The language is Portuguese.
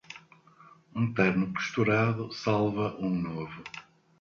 Um terno costurado salva um novo.